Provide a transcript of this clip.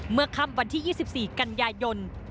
เมื่อค่ำวันที่๒๔กันยายน